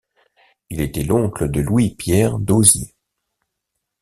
Il était l'oncle de Louis Pierre d'Hozier.